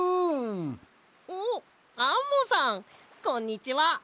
おっアンモさんこんにちは。